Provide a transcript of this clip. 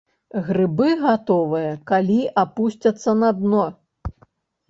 Грыбы гатовыя, калі апусцяцца на дно.